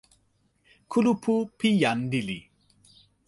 kulupu pi jan lili.